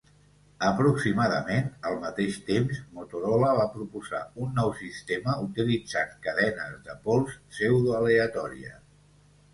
Aproximadament al mateix temps, Motorola va proposar un nou sistema utilitzant cadenes de pols pseudoaleatòries.